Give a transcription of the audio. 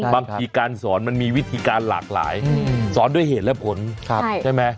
บางทีการสอนมันมีวิธีการหลากหลายสอนด้วยเหตุและผลใช่ไหม